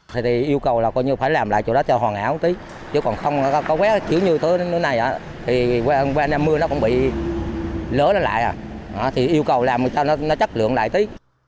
thì yêu cầu là coi như phải làm lại chỗ đó cho hoàn hảo một tí chứ còn không có vé chứ như thế này thì qua năm mưa nó cũng bị lỡ lại thì yêu cầu làm cho nó chất lượng lại tí